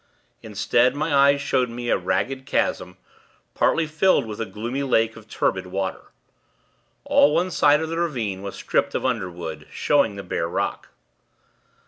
Instead, my eyes showed me a ragged chasm, partly filled with a gloomy lake of turbid water. All one side of the ravine was stripped of underwood, showing the bare rock.